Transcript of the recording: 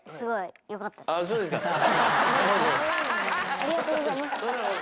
ありがとうございます。